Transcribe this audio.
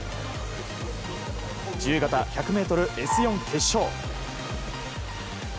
自由形１００ｍＳ４決勝。